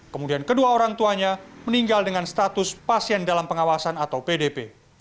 kemudian kedua orang tuanya meninggal dengan status pasien dalam pengawasan atau pdp